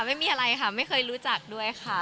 ไม่มีอะไรค่ะไม่เคยรู้จักด้วยค่ะ